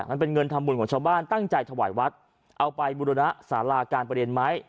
มันเป็นเงินทำบุญของชาวบ้านตั้งใจถวายวัดเอาไปบุรณะสาราการประเรียนไหม